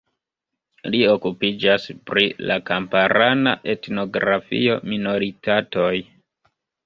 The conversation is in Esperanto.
Li okupiĝas pri la kamparana etnografio, minoritatoj.